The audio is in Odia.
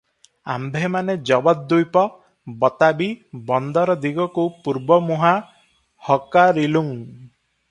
ଆମ୍ଭେମାନେ ଯବଦ୍ୱୀପ-ବତାବୀ ବନ୍ଦର ଦିଗକୁ ପୂର୍ବମୁହାଁ ହକାରିଲୁଁ ।